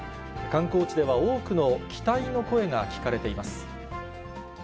観光地では多くの期待の声が聞かれています。